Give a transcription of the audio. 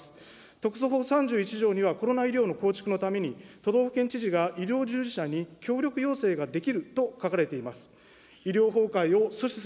特措法３１条にはコロナ医療の構築のために、都道府県知事が医療従事者に協力要請ができると書かれています。